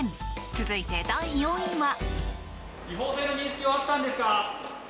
続いて、第４位は。